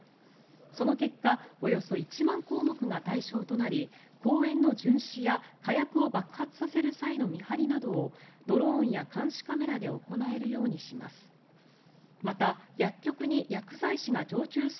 その結果およそ１万項目が対象となり公園の巡視や火薬を爆発させる際の見張りなどをドローンや監視カメラで行えるようにします。